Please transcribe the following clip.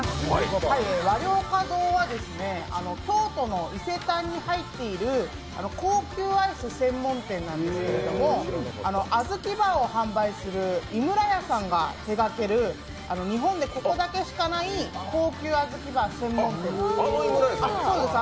和涼菓堂は京都の伊勢丹に入っている高級アイス専門店なんですけれども、あずきバーを販売する井村屋さんが手がける日本でここだけしかない高級あずきバー専門店。